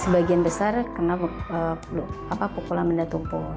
sebagian besar kena pukulan benda tumpul